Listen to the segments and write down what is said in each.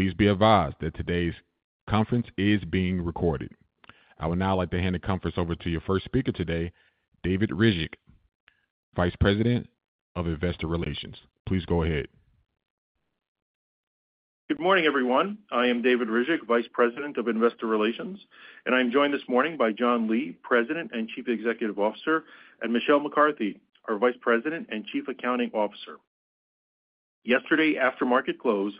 Please be advised that today's conference is being recorded. I would now like to hand the conference over to your first speaker today, David Ryzhik, Vice President of Investor Relations. Please go ahead. Good morning, everyone. I am David Ryzhik, Vice President of Investor Relations, and I am joined this morning by John Lee, President and Chief Executive Officer, and Michelle McCarthy, our Vice President and Chief Accounting Officer. Yesterday, after market close,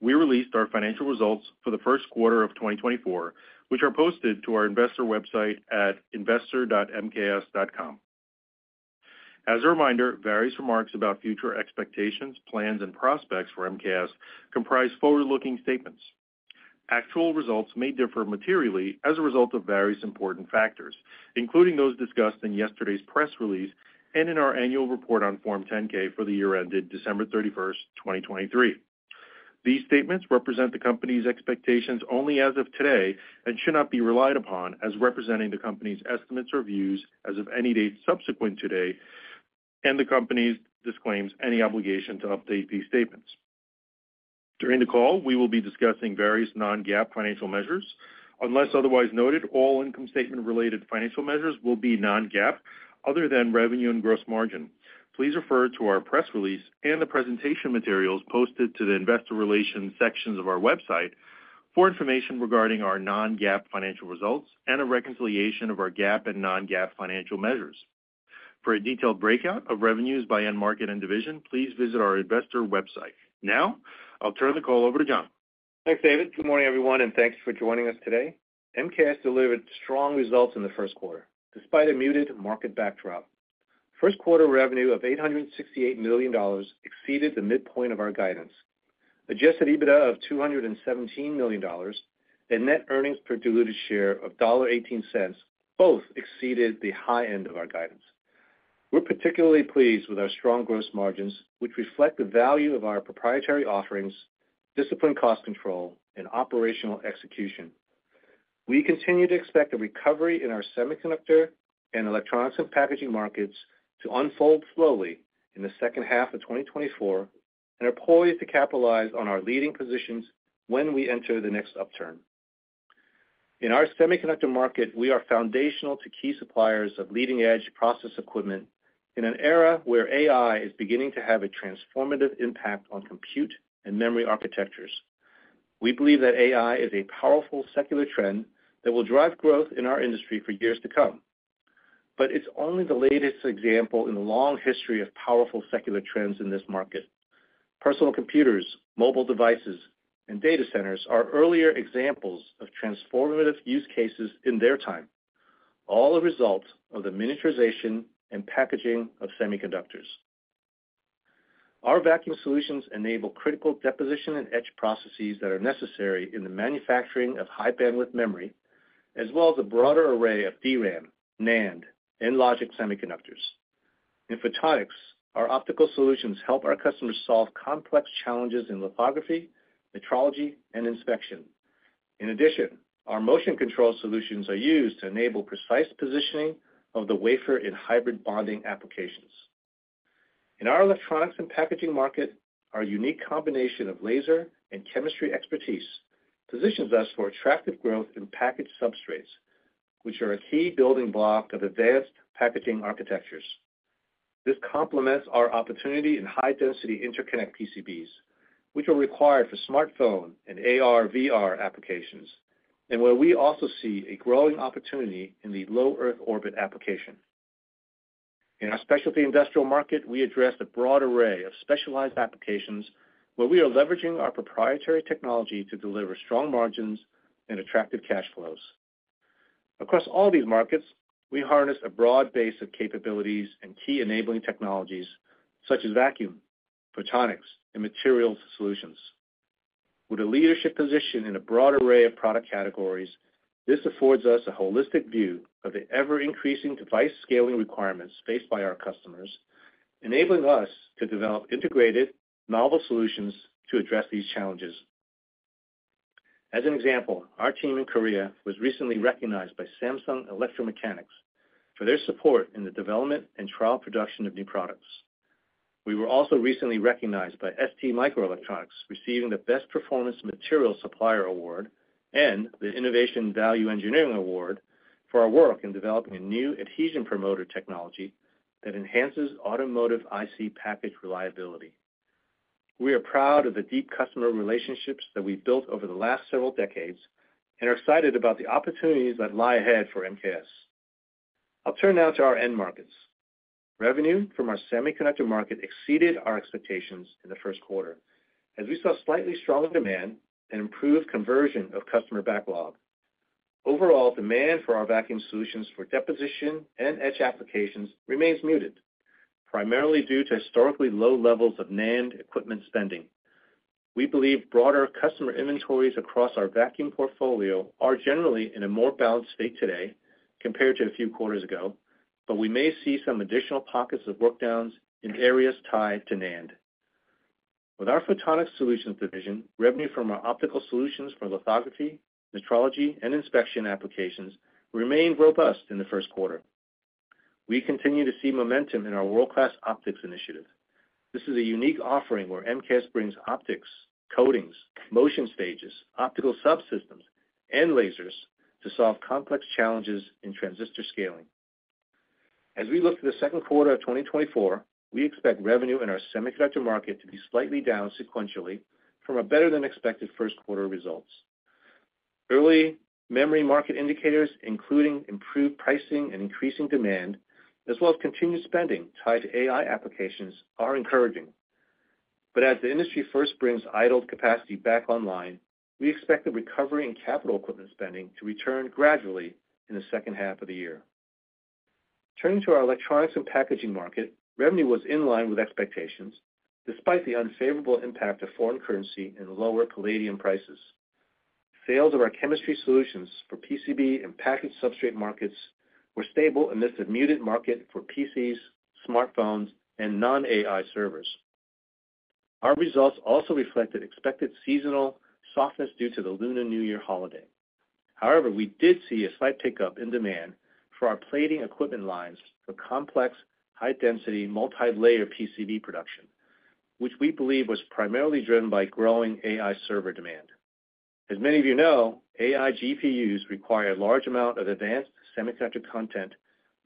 we released our financial results for the first quarter of 2024, which are posted to our investor website at investor.mks.com. As a reminder, various remarks about future expectations, plans, and prospects for MKS comprise forward-looking statements. Actual results may differ materially as a result of various important factors, including those discussed in yesterday's press release and in our annual report on Form 10-K for the year ended December 31st, 2023. These statements represent the company's expectations only as of today and should not be relied upon as representing the company's estimates or views as of any date subsequent to today, and the company disclaims any obligation to update these statements. During the call, we will be discussing various non-GAAP financial measures. Unless otherwise noted, all income statement-related financial measures will be non-GAAP other than revenue and gross margin. Please refer to our press release and the presentation materials posted to the Investor Relations sections of our website for information regarding our non-GAAP financial results and a reconciliation of our GAAP and non-GAAP financial measures. For a detailed breakout of revenues by end market and division, please visit our investor website. Now, I'll turn the call over to John. Thanks, David. Good morning, everyone, and thanks for joining us today. MKS delivered strong results in the first quarter despite a muted market backdrop. First quarter revenue of $868 million exceeded the midpoint of our guidance. Adjusted EBITDA of $217 million and net earnings per diluted share of $1.18 both exceeded the high end of our guidance. We're particularly pleased with our strong gross margins, which reflect the value of our proprietary offerings, disciplined cost control, and operational execution. We continue to expect a recovery in our semiconductor and electronics and packaging markets to unfold slowly in the second half of 2024 and are poised to capitalize on our leading positions when we enter the next upturn. In our semiconductor market, we are foundational to key suppliers of leading-edge process equipment in an era where AI is beginning to have a transformative impact on compute and memory architectures. We believe that AI is a powerful secular trend that will drive growth in our industry for years to come, but it's only the latest example in the long history of powerful secular trends in this market. Personal computers, mobile devices, and data centers are earlier examples of transformative use cases in their time, all a result of the miniaturization and packaging of semiconductors. Our vacuum solutions enable critical deposition and etch processes that are necessary in the manufacturing of high-bandwidth memory, as well as a broader array of DRAM, NAND, and logic semiconductors. In photonics, our optical solutions help our customers solve complex challenges in lithography, metrology, and inspection. In addition, our motion control solutions are used to enable precise positioning of the wafer in hybrid bonding applications. In our electronics and packaging market, our unique combination of laser and chemistry expertise positions us for attractive growth in packaged substrates, which are a key building block of advanced packaging architectures. This complements our opportunity in high-density interconnect PCBs, which are required for smartphone and AR/VR applications, and where we also see a growing opportunity low earth orbit application. in our specialty industrial market, we address a broad array of specialized applications where we are leveraging our proprietary technology to deliver strong margins and attractive cash flows. Across all these markets, we harness a broad base of capabilities and key enabling technologies such as vacuum, photonics, and materials solutions. With a leadership position in a broad array of product categories, this affords us a holistic view of the ever-increasing device scaling requirements faced by our customers, enabling us to develop integrated, novel solutions to address these challenges. As an example, our team in Korea was recently recognized by Samsung Electro-Mechanics for their support in the development and trial production of new products. We were also recently recognized by STMicroelectronics receiving the Best Performance Material Supplier Award and the Innovation Value Engineering Award for our work in developing a new adhesion promoter technology that enhances automotive IC package reliability. We are proud of the deep customer relationships that we've built over the last several decades and are excited about the opportunities that lie ahead for MKS. I'll turn now to our end markets. Revenue from our semiconductor market exceeded our expectations in the first quarter as we saw slightly stronger demand and improved conversion of customer backlog. Overall, demand for our vacuum solutions for deposition and etch applications remains muted, primarily due to historically low levels of NAND equipment spending. We believe broader customer inventories across our vacuum portfolio are generally in a more balanced state today compared to a few quarters ago, but we may see some additional pockets of workdowns in areas tied to NAND. With our Photonics Solutions division, revenue from our optical solutions for lithography, metrology, and inspection applications remained robust in the first quarter. We continue to see momentum in our World Class Optics initiative. This is a unique offering where MKS brings optics, coatings, motion stages, optical subsystems, and lasers to solve complex challenges in transistor scaling. As we look to the second quarter of 2024, we expect revenue in our semiconductor market to be slightly down sequentially from a better-than-expected first quarter results. Early memory market indicators, including improved pricing and increasing demand, as well as continued spending tied to AI applications, are encouraging. But as the industry first brings idled capacity back online, we expect the recovery in capital equipment spending to return gradually in the second half of the year. Turning to our electronics and packaging market, revenue was in line with expectations despite the unfavorable impact of foreign currency and lower palladium prices. Sales of our chemistry solutions for PCB and packaged substrate markets were stable amidst a muted market for PCs, smartphones, and non-AI servers. Our results also reflected expected seasonal softness due to the Lunar New Year holiday. However, we did see a slight pickup in demand for our plating equipment lines for complex, high-density, multi-layer PCB production, which we believe was primarily driven by growing AI server demand. As many of you know, AI GPUs require a large amount of advanced semiconductor content,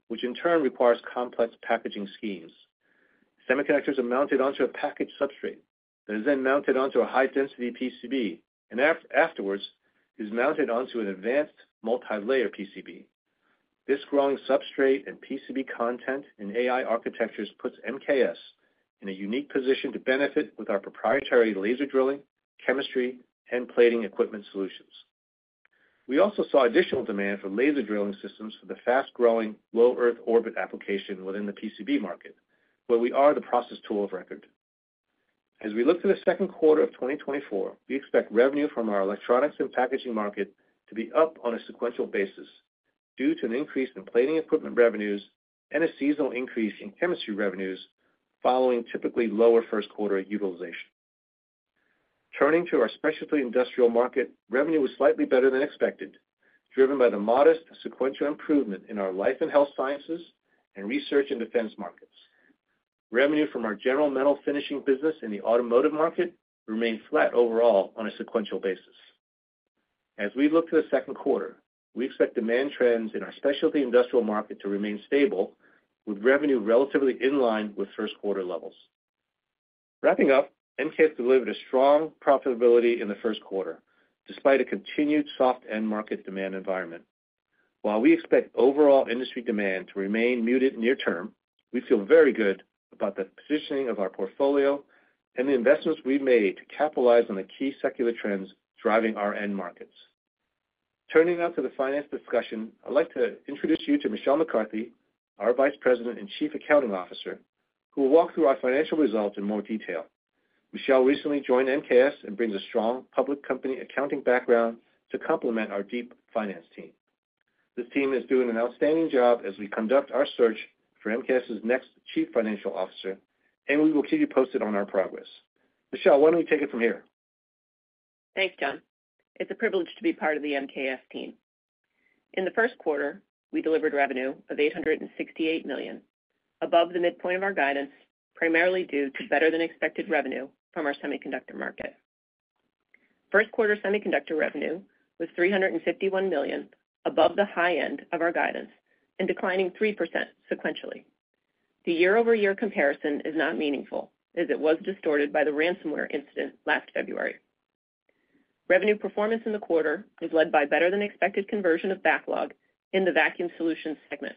which in turn requires complex packaging schemes. Semiconductors are mounted onto a packaged substrate that is then mounted onto a high-density PCB and afterwards is mounted onto an advanced multi-layer PCB. This growing substrate and PCB content in AI architectures puts MKS in a unique position to benefit with our proprietary laser drilling, chemistry, and plating equipment solutions. We also saw additional demand for laser drilling systems for low earth orbit application within the PCB market, where we are the process tool of record. As we look to the second quarter of 2024, we expect revenue from our electronics and packaging market to be up on a sequential basis due to an increase in plating equipment revenues and a seasonal increase in chemistry revenues following typically lower first quarter utilization. Turning to our specialty industrial market, revenue was slightly better than expected, driven by the modest sequential improvement in our life and health sciences and research and defense markets. Revenue from our general metal finishing business in the automotive market remained flat overall on a sequential basis. As we look to the second quarter, we expect demand trends in our specialty industrial market to remain stable, with revenue relatively in line with first quarter levels. Wrapping up, MKS delivered a strong profitability in the first quarter despite a continued soft end-market demand environment. While we expect overall industry demand to remain muted near term, we feel very good about the positioning of our portfolio and the investments we've made to capitalize on the key secular trends driving our end markets. Turning now to the finance discussion, I'd like to introduce you to Michelle McCarthy, our Vice President and Chief Accounting Officer, who will walk through our financial results in more detail. Michelle recently joined MKS and brings a strong public company accounting background to complement our deep finance team. This team is doing an outstanding job as we conduct our search for MKS's next Chief Financial Officer, and we will keep you posted on our progress. Michelle, why don't we take it from here? Thanks, John. It's a privilege to be part of the MKS team. In the first quarter, we delivered revenue of $868 million, above the midpoint of our guidance, primarily due to better-than-expected revenue from our semiconductor market. First quarter semiconductor revenue was $351 million, above the high end of our guidance and declining 3% sequentially. The year-over-year comparison is not meaningful as it was distorted by the ransomware incident last February. Revenue performance in the quarter is led by better-than-expected conversion of backlog in the Vacuum Solutions segment,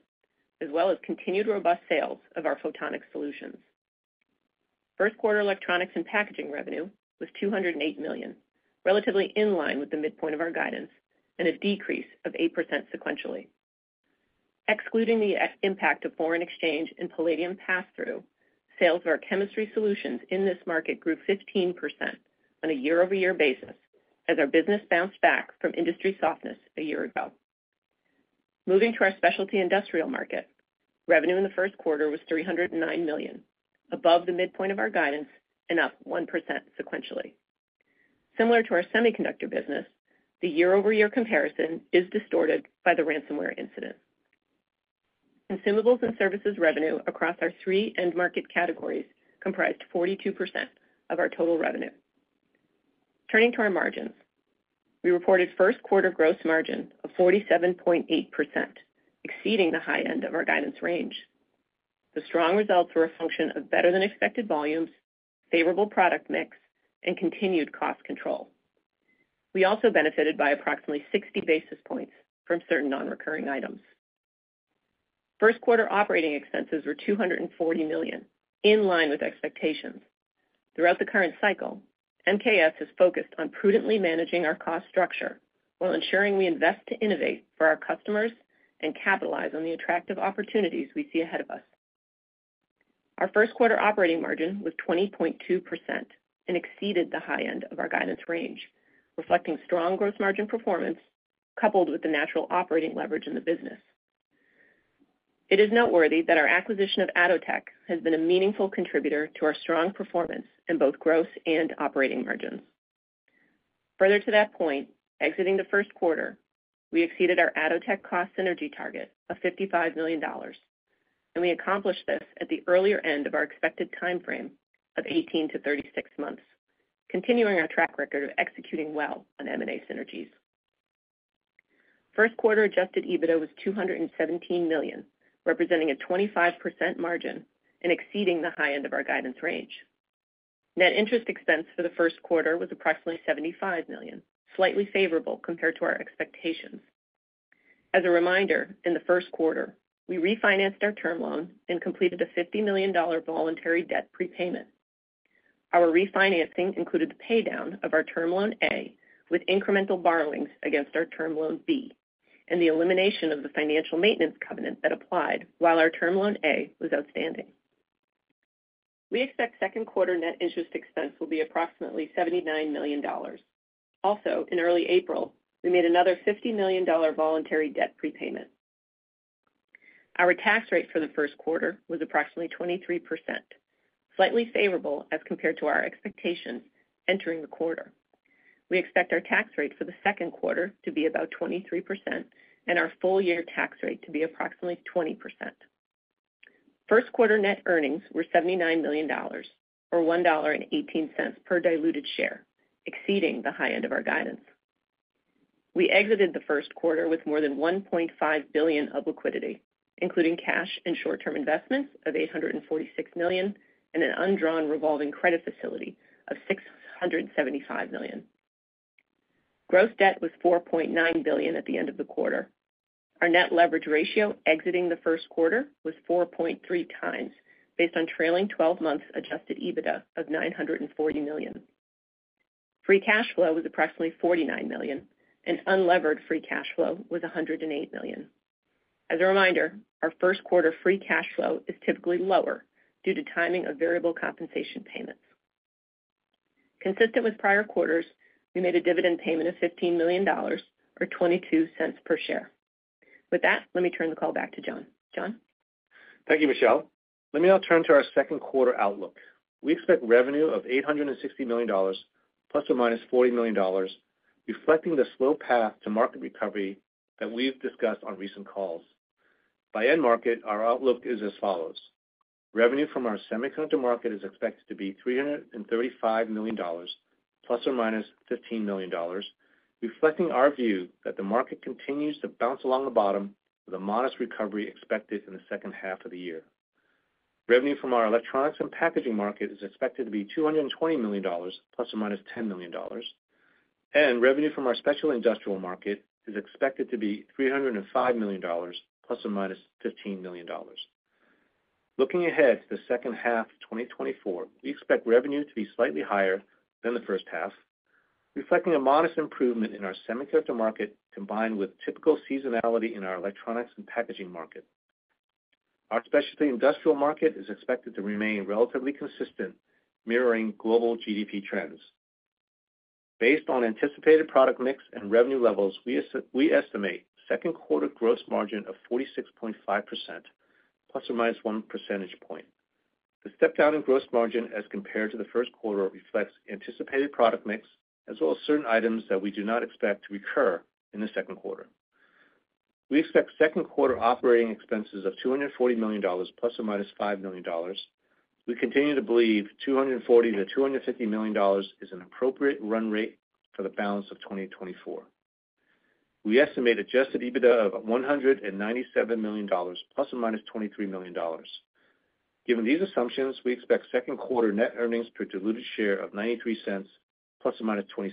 as well as continued robust sales of our photonics solutions. First quarter electronics and packaging revenue was $208 million, relatively in line with the midpoint of our guidance and a decrease of 8% sequentially. Excluding the impact of foreign exchange and palladium pass-through, sales of our chemistry solutions in this market grew 15% on a year-over-year basis as our business bounced back from industry softness a year ago. Moving to our specialty industrial market, revenue in the first quarter was $309 million, above the midpoint of our guidance and up 1% sequentially. Similar to our semiconductor business, the year-over-year comparison is distorted by the ransomware incident. Consumables and services revenue across our three end market categories comprised 42% of our total revenue. Turning to our margins, we reported first quarter gross margin of 47.8%, exceeding the high end of our guidance range. The strong results were a function of better-than-expected volumes, favorable product mix, and continued cost control. We also benefited by approximately 60 basis points from certain non-recurring items. First quarter operating expenses were $240 million, in line with expectations. Throughout the current cycle, MKS has focused on prudently managing our cost structure while ensuring we invest to innovate for our customers and capitalize on the attractive opportunities we see ahead of us. Our first quarter operating margin was 20.2% and exceeded the high end of our guidance range, reflecting strong gross margin performance coupled with the natural operating leverage in the business. It is noteworthy that our acquisition of Atotech has been a meaningful contributor to our strong performance in both gross and operating margins. Further to that point, exiting the first quarter, we exceeded our Atotech cost synergy target of $55 million, and we accomplished this at the earlier end of our expected time frame of 18 months to 36 months, continuing our track record of executing well on M&A synergies. First quarter Adjusted EBITDA was $217 million, representing a 25% margin and exceeding the high end of our guidance range. Net interest expense for the first quarter was approximately $75 million, slightly favorable compared to our expectations. As a reminder, in the first quarter, we refinanced our term loan and completed a $50 million voluntary debt prepayment. Our refinancing included the paydown of our Term Loan A with incremental borrowings against our Term Loan B and the elimination of the financial maintenance covenant that applied while our Term Loan A was outstanding. We expect second quarter net interest expense will be approximately $79 million. Also, in early April, we made another $50 million voluntary debt prepayment. Our tax rate for the first quarter was approximately 23%, slightly favorable as compared to our expectations entering the quarter. We expect our tax rate for the second quarter to be about 23% and our full-year tax rate to be approximately 20%. First quarter net earnings were $79 million or $1.18 per diluted share, exceeding the high end of our guidance. We exited the first quarter with more than $1.5 billion of liquidity, including cash and short-term investments of $846 million and an undrawn revolving credit facility of $675 million. Gross debt was $4.9 billion at the end of the quarter. Our net leverage ratio exiting the first quarter was 4.3x based on trailing 12 months' adjusted EBITDA of $940 million. Free cash flow was approximately $49 million, and unlevered free cash flow was $108 million. As a reminder, our first quarter free cash flow is typically lower due to timing of variable compensation payments. Consistent with prior quarters, we made a dividend payment of $15 million or $0.22 per share. With that, let me turn the call back to John. John? Thank you, Michelle. Let me now turn to our second quarter outlook. We expect revenue of $860 million ± $40 million, reflecting the slow path to market recovery that we've discussed on recent calls. By end market, our outlook is as follows. Revenue from our semiconductor market is expected to be $335 million ± $15 million, reflecting our view that the market continues to bounce along the bottom with a modest recovery expected in the second half of the year. Revenue from our electronics and packaging market is expected to be $220 million ± $10 million, and revenue from our Specialty Industrial market is expected to be $305 million ± $15 million. Looking ahead to the second half of 2024, we expect revenue to be slightly higher than the first half, reflecting a modest improvement in our semiconductor market combined with typical seasonality in our electronics and packaging market. Our specialty industrial market is expected to remain relatively consistent, mirroring global GDP trends. Based on anticipated product mix and revenue levels, we estimate second quarter gross margin of 46.5% ±1 percentage point. The step-down in gross margin as compared to the first quarter reflects anticipated product mix as well as certain items that we do not expect to recur in the second quarter. We expect second quarter operating expenses of $240 million ±$5 million. We continue to believe $240-$250 million is an appropriate run rate for the balance of 2024. We estimate adjusted EBITDA of $197 million ±$23 million. Given these assumptions, we expect second quarter net earnings per diluted share of $0.93 ± $0.26.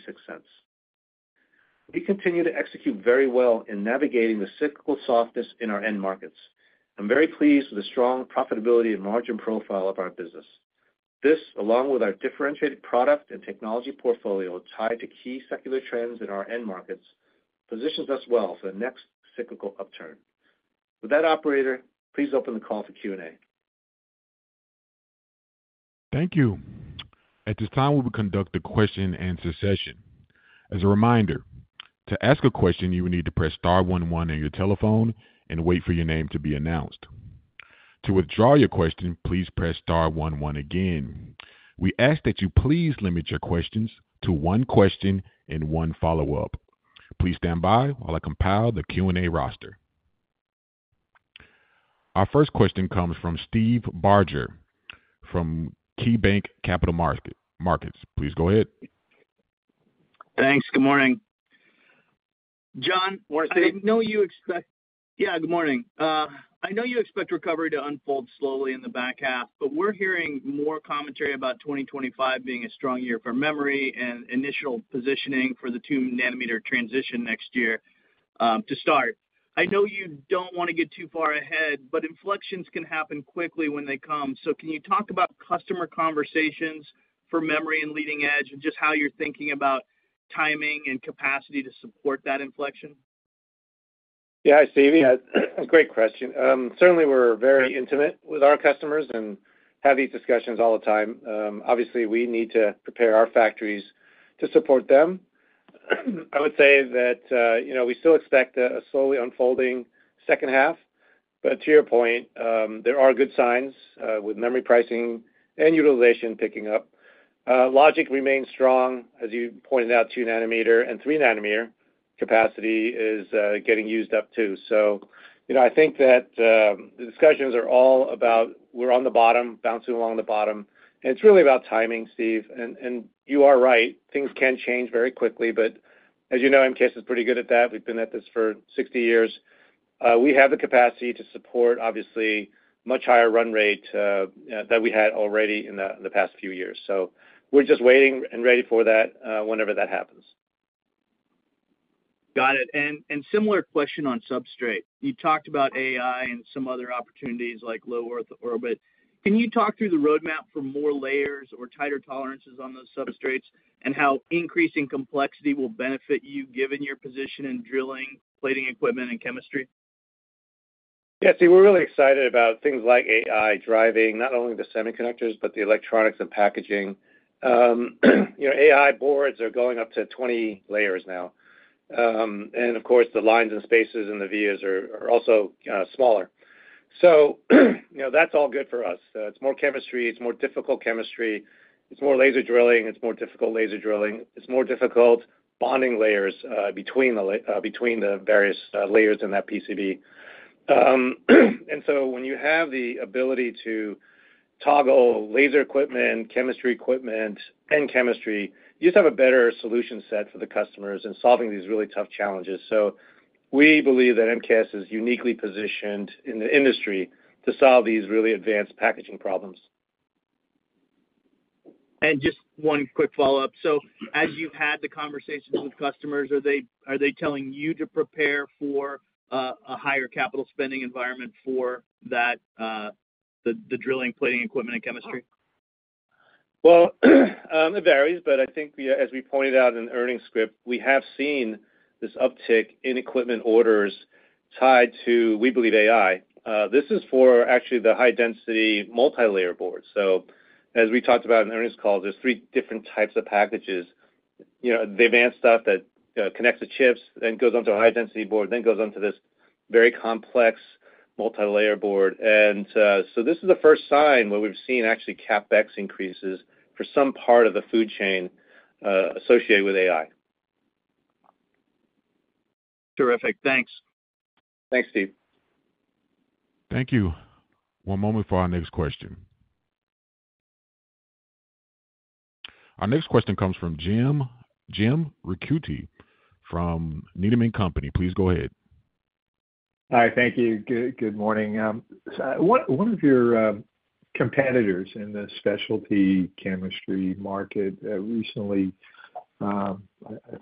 We continue to execute very well in navigating the cyclical softness in our end markets. I'm very pleased with the strong profitability and margin profile of our business. This, along with our differentiated product and technology portfolio tied to key secular trends in our end markets, positions us well for the next cyclical upturn. With that, operator, please open the call for Q&A. Thank you. At this time, we will conduct the question-and-answer session. As a reminder, to ask a question, you will need to press star one one on your telephone and wait for your name to be announced. To withdraw your question, please press star one one again. We ask that you please limit your questions to one question and one follow-up. Please stand by while I compile the Q&A roster. Our first question comes from Steve Barger from KeyBanc Capital Markets. Please go ahead. Thanks. Good morning. John- What are things? I know you expect, yeah, good morning. I know you expect recovery to unfold slowly in the back half, but we're hearing more commentary about 2025 being a strong year for memory and initial positioning for the 2-nanometer transition next year to start. I know you don't want to get too far ahead, but inflections can happen quickly when they come. So can you talk about customer conversations for memory and leading edge and just how you're thinking about timing and capacity to support that inflection? Yeah, Stevie, great question. Certainly, we're very intimate with our customers and have these discussions all the time. Obviously, we need to prepare our factories to support them. I would say that we still expect a slowly unfolding second half. But to your point, there are good signs with memory pricing and utilization picking up. Logic remains strong, as you pointed out, 2-nanometer and 3-nanometer capacity is getting used up too. So I think that the discussions are all about we're on the bottom, bouncing along the bottom. And it's really about timing, Steve. And you are right. Things can change very quickly. But as you know, MKS is pretty good at that. We've been at this for 60 years. We have the capacity to support, obviously, a much higher run rate than we had already in the past few years. We're just waiting and ready for that whenever that happens. Got it. And similar question on substrate. You talked about AI and some other low earth orbit. can you talk through the roadmap for more layers or tighter tolerances on those substrates and how increasing complexity will benefit you given your position in drilling, plating equipment, and chemistry? Yeah, see, we're really excited about things like AI driving not only the semiconductors but the electronics and packaging. AI boards are going up to 20 layers now. And of course, the lines and spaces and the vias are also smaller. So that's all good for us. It's more chemistry. It's more difficult chemistry. It's more laser drilling. It's more difficult laser drilling. It's more difficult bonding layers between the various layers in that PCB. And so when you have the ability to toggle laser equipment, chemistry equipment, and chemistry, you just have a better solution set for the customers in solving these really tough challenges. So we believe that MKS is uniquely positioned in the industry to solve these really advanced packaging problems. Just one quick follow-up. As you've had the conversations with customers, are they telling you to prepare for a higher capital spending environment for the drilling, plating equipment, and chemistry? Well, it varies. But I think, as we pointed out in the earnings script, we have seen this uptick in equipment orders tied to, we believe, AI. This is for actually the high-density multi-layer boards. So as we talked about in earnings calls, there's three different types of packages. The advanced stuff that connects the chips then goes onto a high-density board, then goes onto this very complex multi-layer board. And so this is the first sign where we've seen actually CapEx increases for some part of the food chain associated with AI. Terrific. Thanks. Thanks, Steve. Thank you. One moment for our next question. Our next question comes from Jim Ricchiuti from Needham & Company. Please go ahead. Hi. Thank you. Good morning. One of your competitors in the specialty chemistry market recently, I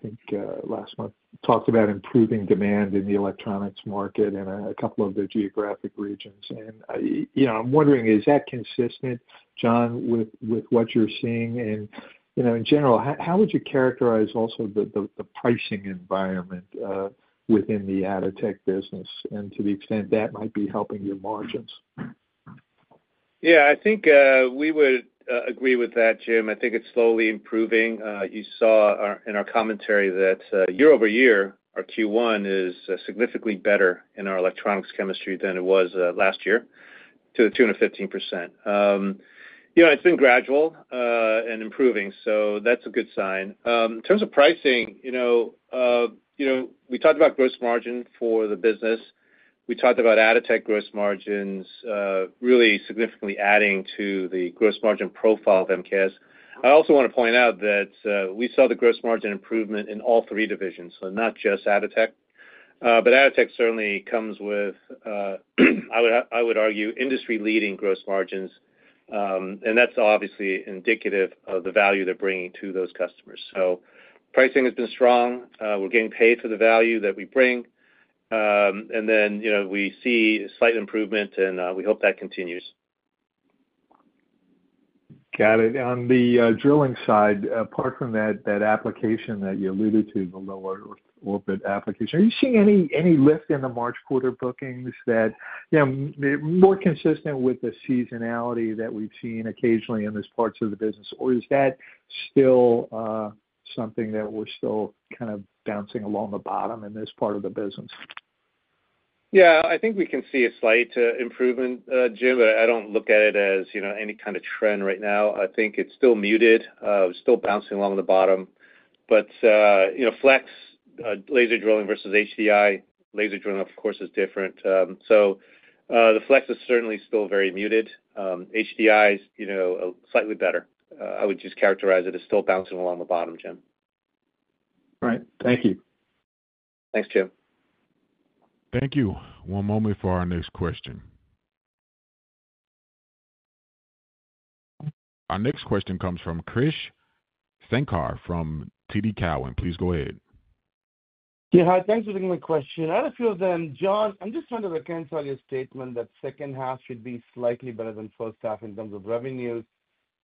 think last month, talked about improving demand in the electronics market and a couple of the geographic regions. And I'm wondering, John, with what you're seeing? And in general, how would you characterize also the pricing environment within the Atotech business and to the extent that might be helping your margins? Yeah, I think we would agree with that, Jim. I think it's slowly improving. You saw in our commentary that year-over-year, our Q1 is significantly better in our electronics chemistry than it was last year to the tune of 15%. It's been gradual and improving. So that's a good sign. In terms of pricing, we talked about gross margin for the business. We talked about Atotech gross margins really significantly adding to the gross margin profile of MKS. I also want to point out that we saw the gross margin improvement in all three divisions, so not just Atotech. But Atotech certainly comes with, I would argue, industry-leading gross margins. And that's obviously indicative of the value they're bringing to those customers. So pricing has been strong. We're getting paid for the value that we bring. And then we see slight improvement, and we hope that continues. Got it. On the drilling side, apart from that application that you alluded low earth orbit application, are you seeing any lift in the March quarter bookings that more consistent with the seasonality that we've seen occasionally in these parts of the business? Or is that still something that we're still kind of bouncing along the bottom in this part of the business? Yeah, I think we can see a slight improvement, Jim, but I don't look at it as any kind of trend right now. I think it's still muted. It's still bouncing along the bottom. But flex laser drilling versus HDI laser drilling, of course, is different. So the flex is certainly still very muted. HDI is slightly better. I would just characterize it as still bouncing along the bottom, Jim. Right. Thank you. Thanks, Jim. Thank you. One moment for our next question. Our next question comes from Krish Sankar from TD Cowen. Please go ahead. Yeah, hi. Thanks for taking my question. I had a few of them. John, I'm just trying to reconsider your statement that second half should be slightly better than first half in terms of revenues.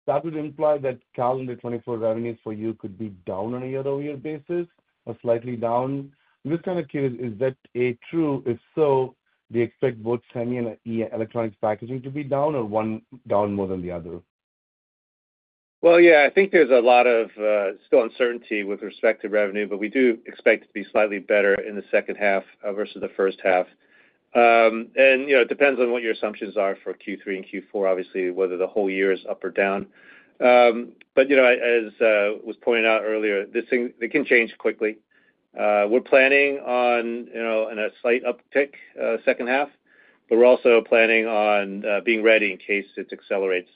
That would imply that calendar 2024 revenues for you could be down on a year-over-year basis or slightly down. I'm just kind of curious, is that true? If so, do you expect both semi and electronics packaging to be down or one down more than the other? Well, yeah, I think there's a lot of still uncertainty with respect to revenue, but we do expect it to be slightly better in the second half versus the first half. It depends on what your assumptions are for Q3 and Q4, obviously, whether the whole year is up or down. As was pointed out earlier, this thing, it can change quickly. We're planning on a slight uptick second half, but we're also planning on being ready in case it accelerates.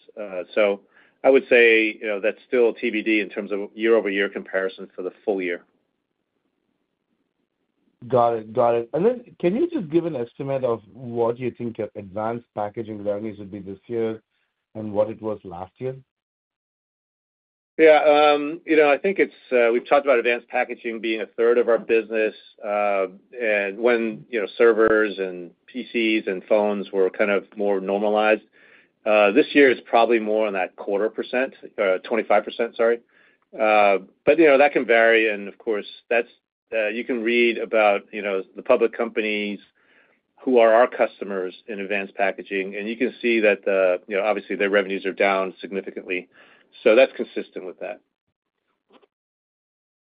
I would say that's still TBD in terms of year-over-year comparison for the full year. Got it. Got it. And then can you just give an estimate of what you think advanced packaging revenues would be this year and what it was last year? Yeah, I think we've talked about advanced packaging being a third of our business. When servers and PCs and phones were kind of more normalized, this year is probably more on that quarter percent or 25%, sorry. But that can vary. Of course, you can read about the public companies who are our customers in advanced packaging, and you can see that, obviously, their revenues are down significantly. That's consistent with that.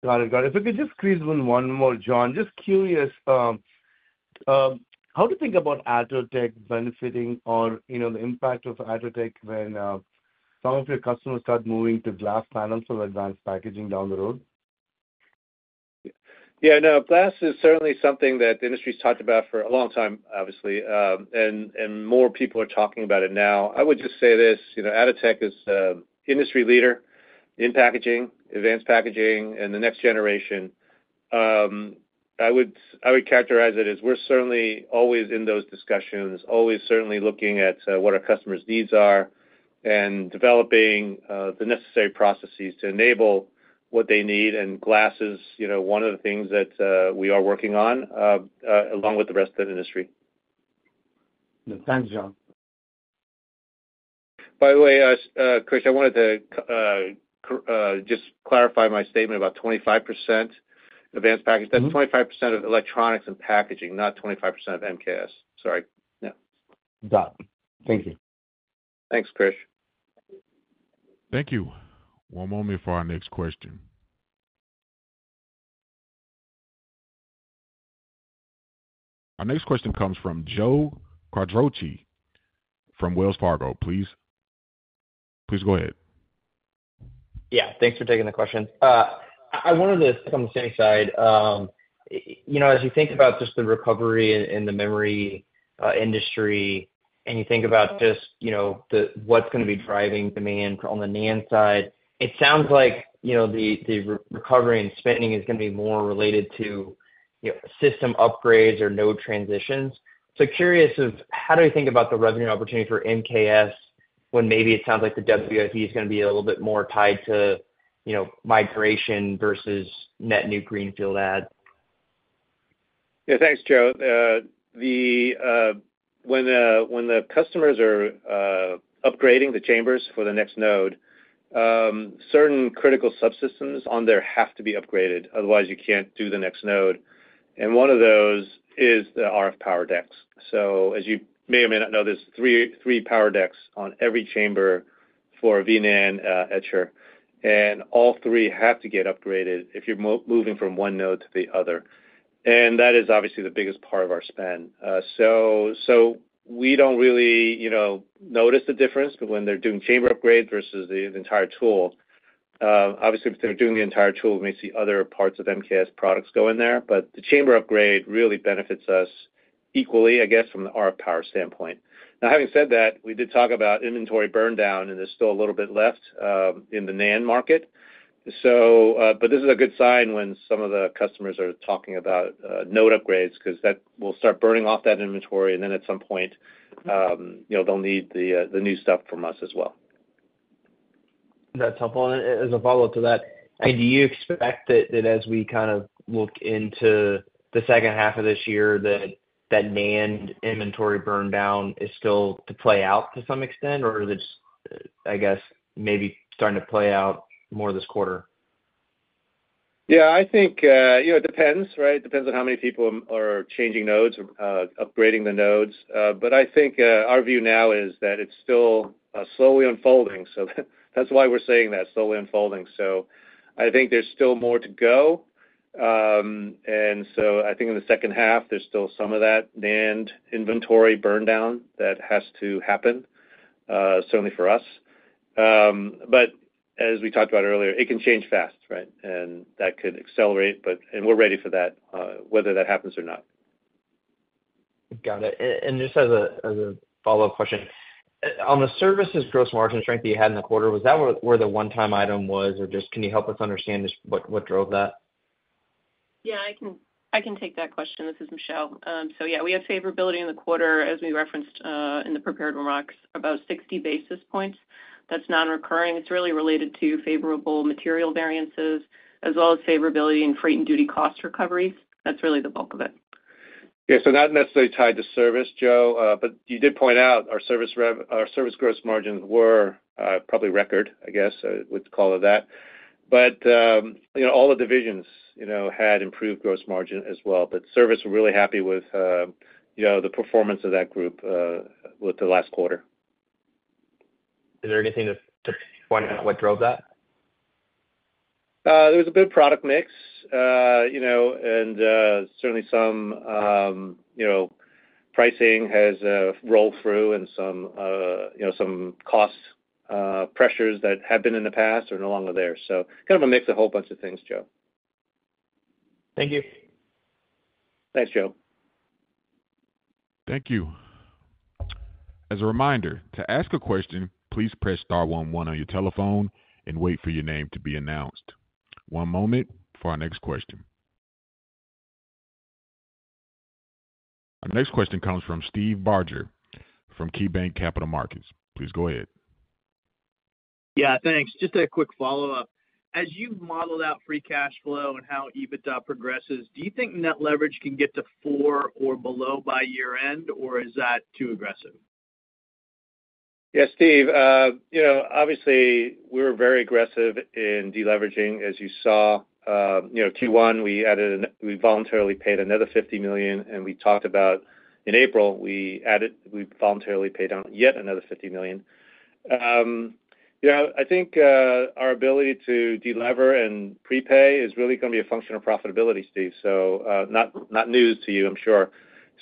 Got it. Got it. If we could just squeeze in one more, John, just curious, how do you think about Atotech benefiting or the impact of Atotech when some of your customers start moving to glass panels for advanced packaging down the road? Yeah, no, glass is certainly something that the industry's talked about for a long time, obviously, and more people are talking about it now. I would just say this. Atotech is an industry leader in packaging, advanced packaging, and the next generation. I would characterize it as we're certainly always in those discussions, always certainly looking at what our customers' needs are and developing the necessary processes to enable what they need. And glass is one of the things that we are working on along with the rest of the industry. Thanks, John. By the way, Krish, I wanted to just clarify my statement about 25% advanced package. That's 25% of electronics and packaging, not 25% of MKS. Sorry. Yeah. Got it. Thank you. Thanks, Krish. Thank you. One moment for our next question. Our next question comes from Joe Quatrochi from Wells Fargo. Please go ahead. Yeah, thanks for taking the question. I wanted to stick on the same side. As you think about just the recovery in the memory industry and you think about just what's going to be driving demand on the NAND side, it sounds like the recovery and spending is going to be more related to system upgrades or node transitions. So curious of how do you think about the revenue opportunity for MKS when maybe it sounds like the WFE is going to be a little bit more tied to migration versus net new greenfield add? Yeah, thanks, Joe. When the customers are upgrading the chambers for the next node, certain critical subsystems on there have to be upgraded. Otherwise, you can't do the next node. And one of those is the RF power decks. So as you may or may not know, there's three power decks on every chamber for V-NAND etcher. And all three have to get upgraded if you're moving from one node to the other. And that is obviously the biggest part of our spend. So we don't really notice the difference, but when they're doing chamber upgrade versus the entire tool, obviously, if they're doing the entire tool, we may see other parts of MKS products go in there. But the chamber upgrade really benefits us equally, I guess, from the RF power standpoint. Now, having said that, we did talk about inventory burndown, and there's still a little bit left in the NAND market. But this is a good sign when some of the customers are talking about node upgrades because we'll start burning off that inventory, and then at some point, they'll need the new stuff from us as well. That's helpful. As a follow-up to that, do you expect that as we kind of look into the second half of this year, that NAND inventory burndown is still to play out to some extent, or is it just, I guess, maybe starting to play out more this quarter? Yeah, I think it depends, right? It depends on how many people are changing nodes, upgrading the nodes. But I think our view now is that it's still slowly unfolding. So that's why we're saying that, slowly unfolding. So I think there's still more to go. And so I think in the second half, there's still some of that NAND inventory burndown that has to happen, certainly for us. But as we talked about earlier, it can change fast, right? And that could accelerate, and we're ready for that, whether that happens or not. Got it. And just as a follow-up question, on the services gross margin strength that you had in the quarter, was that where the one-time item was, or just can you help us understand what drove that? Yeah, I can take that question. This is Michelle. So yeah, we have favorability in the quarter, as we referenced in the prepared remarks, about 60 basis points. That's non-recurring. It's really related to favorable material variances as well as favorability in freight and duty cost recoveries. That's really the bulk of it. Yeah, so not necessarily tied to service, Joe. But you did point out our service gross margins were probably record, I guess, we'd call it that. But all the divisions had improved gross margin as well. But service were really happy with the performance of that group with the last quarter. Is there anything to point out what drove that? There was a good product mix. Certainly, some pricing has rolled through and some cost pressures that have been in the past are no longer there. Kind of a mix of a whole bunch of things, Joe. Thank you. Thanks, Joe. Thank you. As a reminder, to ask a question, please press star one one on your telephone and wait for your name to be announced. One moment for our next question. Our next question comes from Steve Barger from KeyBanc Capital Markets. Please go ahead. Yeah, thanks. Just a quick follow-up. As you've modeled out free cash flow and how EBITDA progresses, do you think net leverage can get to four or below by year-end, or is that too aggressive? Yeah, Steve. Obviously, we were very aggressive in deleveraging. As you saw, Q1, we voluntarily paid another $50 million, and we talked about in April, we voluntarily paid yet another $50 million. I think our ability to delever and prepay is really going to be a function of profitability, Steve, so not news to you, I'm sure.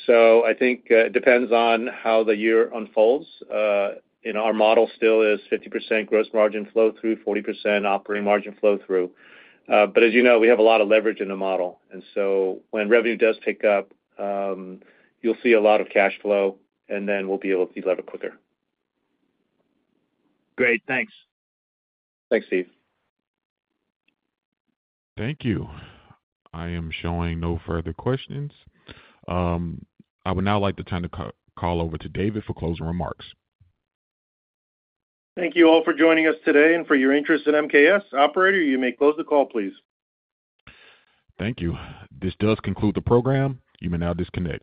So I think it depends on how the year unfolds. Our model still is 50% gross margin flow-through, 40% operating margin flow-through. But as you know, we have a lot of leverage in the model. And so when revenue does pick up, you'll see a lot of cash flow, and then we'll be able to deliver quicker. Great. Thanks. Thanks, Steve. Thank you. I am showing no further questions. I would now like to turn the call over to David for closing remarks. Thank you all for joining us today and for your interest in MKS. Operator, you may close the call, please. Thank you. This does conclude the program. You may now disconnect.